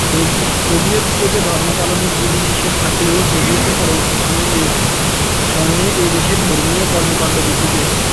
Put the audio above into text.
Soviet যুগে ধর্ম পালনে বিধি নিষেধ থাকলেও সোভিয়েত পরবর্তী সময়ে এ দেশে ধর্মীয় কর্মকাণ্ড বৃদ্ধি পেয়েছে।